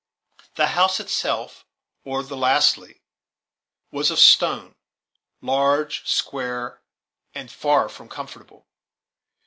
The house itself, or the "lastly," was of stone: large, square, and far from uncomfortable.